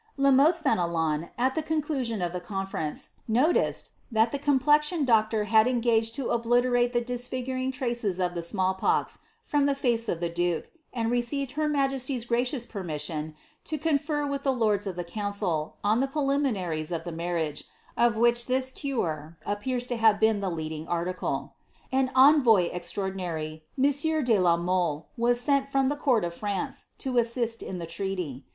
a Mothe Fenelon, at the conclusion of the conference, noticed, that complexion doctor had engaged to obliterate the disfiguring traces he small pox from the face of the duke, and received her majesty^s ious permission to confer with the lords of the council, on the pre naries of the marriage, of which this cure appears to have been the ing article. An envoy extraordinary, monsieur de la Mole, was sent I the court of France, to assist in the treaty.